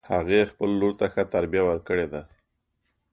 هغې خپل لور ته ښه تربیه ورکړې ده